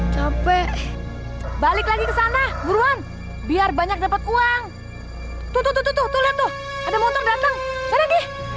capek balik lagi ke sana buruan biar banyak dapat uang tutututu lihat tuh ada motor datang